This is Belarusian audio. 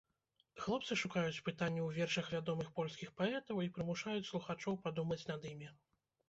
Хлопцы шукаюць пытанні ў вершах вядомых польскіх паэтаў і прымушаюць слухачоў падумаць над імі.